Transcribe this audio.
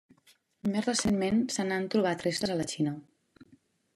Més recentment se n'han trobat restes a la Xina.